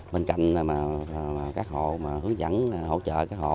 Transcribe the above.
bên cạnh các hộ mà hướng dẫn hỗ trợ các hộ